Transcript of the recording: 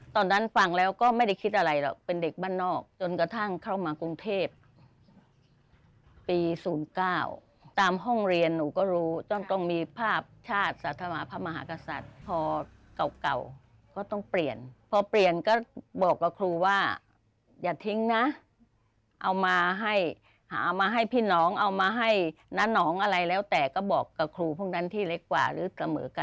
ตอนนั้นฝั่งแล้วก็ไม่ได้คิดอะไรหรอกเป็นเด็กบ้านนอกจนกระทั่งเข้ามากรุงเทพฯ